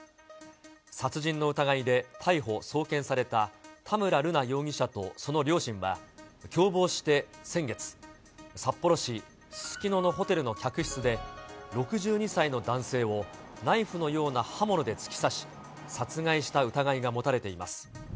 殺人の疑いで逮捕・送検された田村瑠奈容疑者とその両親は、共謀して先月、札幌市すすきののホテルの客室で、６２歳の男性をナイフのような刃物で突き刺し、殺害した疑いが持たれています。